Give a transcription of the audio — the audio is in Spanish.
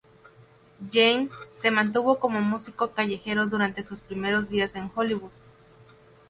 Jane se mantuvo como músico callejero durante sus primeros días en Hollywood.